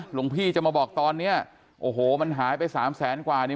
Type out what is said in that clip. หลวงพี่จะมาบอกตอนเนี้ยโอ้โหมันหายไปสามแสนกว่านี่